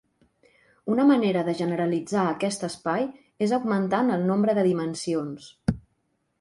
Una manera de generalitzar aquest espai és augmentant el nombre de dimensions.